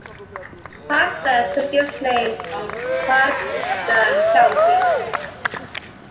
Pipestone took its name from Pipestone County.